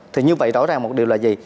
thì như vậy rõ ràng một điều là gì